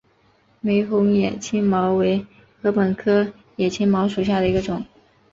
玫红野青茅为禾本科野青茅属下的一个种。